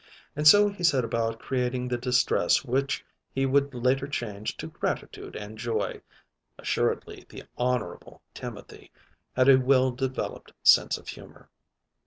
And so he set about creating the distress which he would later change to gratitude and joy. Assuredly the Honorable Timothy had a well developed sense of humor.